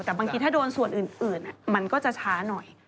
แต่บางทีถ้าโดนส่วนอื่นมันก็จะช้าหน่อย